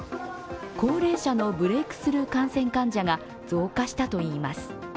高齢者のブレークスルー感染患者が増加したといいます。